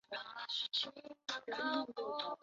第十一回出现八健将的说法。